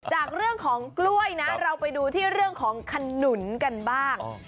จากเรื่องของกล้วยนะเราไปดูที่เรื่องของขนุนกันบ้าง